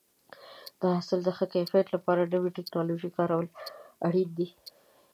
د حاصل د ښه کیفیت لپاره د نوې ټکنالوژۍ کارول اړین دي.